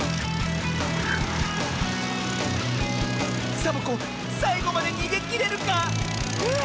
サボ子さいごまでにげきれるか⁉あ！